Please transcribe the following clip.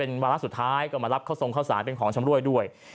เป็นมลักสุดท้ายก็มารับข้าวสองข้าวสารเป็นของชะมรวยด้วย